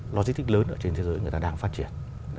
lôi stick lớn ở trên thế giới người ta đang phát triển